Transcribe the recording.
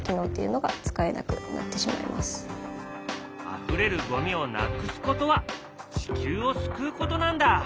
あふれるゴミをなくすことは地球を救うことなんだ。